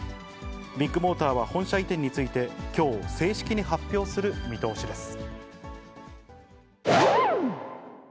ビッグモーターは本社移転について、きょう、正式に発表する見通しです。